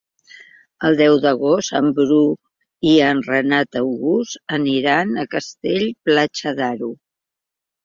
El deu d'agost en Bru i en Renat August aniran a Castell-Platja d'Aro.